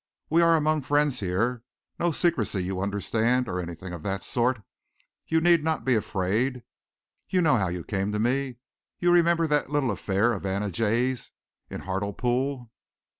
We are among friends here no secrecy, you understand, or anything of that sort. You need not be afraid! You know how you came to me? You remember that little affair of Anna Jayes in Hartlepool?"